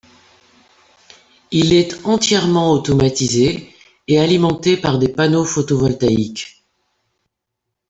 Il est entièrement automatisé et alimenté par des panneaux photovoltaïques.